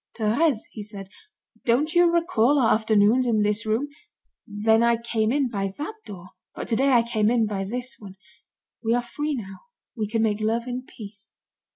"Thérèse," he said, "don't you recall our afternoons in this room? Then I came in by that door, but today I came in by this one. We are free now. We can make love in peace."